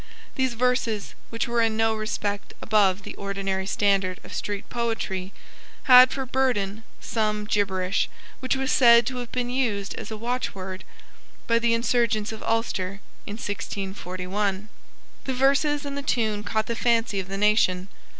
These verses, which were in no respect above the ordinary standard of street poetry, had for burden some gibberish which was said to have been used as a watchword by the insurgents of Ulster in 1641. The verses and the tune caught the fancy of the nation.